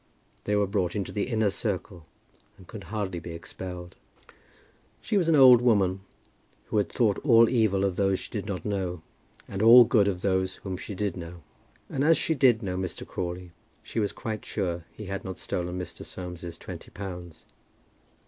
They were brought into the inner circle, and could hardly be expelled. She was an old woman who thought all evil of those she did not know, and all good of those whom she did know; and as she did know Mr. Crawley, she was quite sure he had not stolen Mr. Soames's twenty pounds.